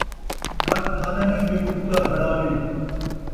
نک ٹھہن٘دا نئیں ، میکوں بولا گھڑا ݙے